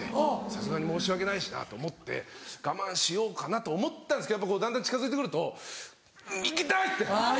さすがに申し訳ないしなと思って我慢しようかなと思ったんですけどだんだん近づいて来ると行きたい‼って。